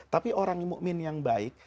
tapi orang mu'min yang baik